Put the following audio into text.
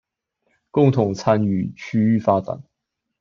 共同參與區域發展